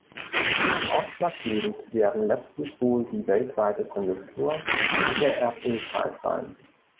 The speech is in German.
Ausschlaggebend werden letztlich wohl die weltweite Konjunktur und der Erdölpreis sein.